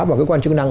và các quan chức năng